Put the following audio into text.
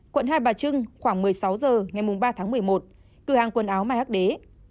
quận hai bà trưng khoảng một mươi sáu h ngày ba tháng một mươi một cửa hàng quần áo mai hắc đế